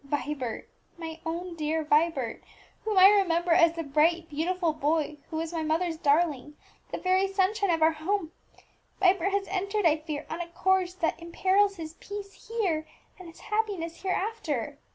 Vibert, my own dear Vibert, whom I remember as the bright beautiful boy who was my mother's darling, the very sunshine of our home, Vibert has entered, I fear, on a course that imperils his peace here and his happiness hereafter.